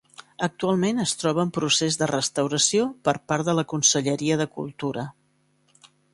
Actualment es troba en procés de restauració per part de la Conselleria de Cultura.